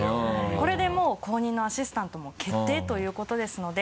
これでもう後任のアシスタントも決定ということですので。